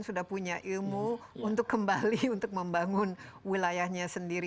sudah punya ilmu untuk kembali untuk membangun wilayahnya sendiri